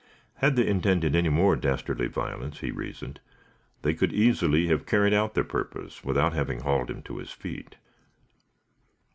Had they intended any more dastardly violence, he reasoned, they could easily have carried out their purpose without having hauled him to his feet.